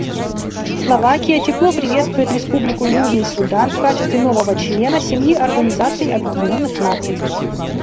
Словакия тепло приветствует Республику Южный Судан в качестве нового члена семьи Организации Объединенных Наций.